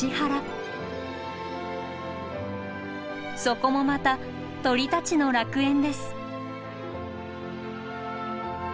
そこもまた鳥たちの楽園です。